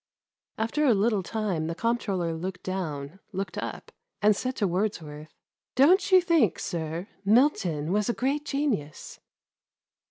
After a little time the comptroller looked down, looked up, atid said to Wordsworth, "Don't you think, sir, Milton was a great genius